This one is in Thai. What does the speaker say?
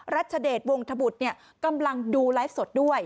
รัชเดชวงธบุตรกำลังดูไลฟ์สดด้วย